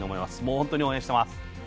本当に応援しています。